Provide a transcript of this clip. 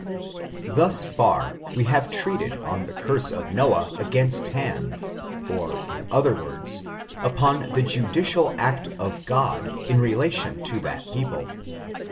Thus far we have treated on the curse of Noah against Ham, or, in other words, upon the judicial act of God, in relation to that people.